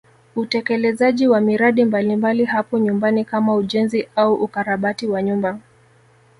Utekelezaji wa miradi mbalimbali hapo nyumbani kama ujenzi au ukarabati wa nyumba